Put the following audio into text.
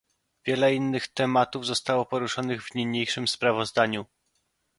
Wiele innych tematów zostało poruszonych w niniejszym sprawozdaniu